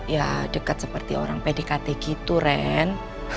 ya deket seperti orang pdkt gitu ren